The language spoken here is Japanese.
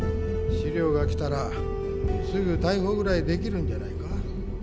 資料が来たらすぐ逮捕ぐらいできるんじゃないか？